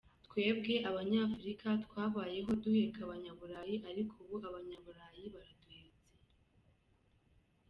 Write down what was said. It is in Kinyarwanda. "Twebwe abanyafurika twabayeho duheka abanyaburayi ariko ubu abanyaburayi baraduhetse.